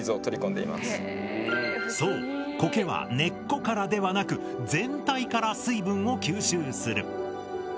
そうコケは根っこからではなく全体から水分を吸収する。